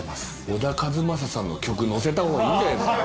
小田和正さんの曲のせた方がいいんじゃないですか